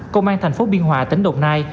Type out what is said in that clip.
công an thành phố biên hòa tỉnh đồng nai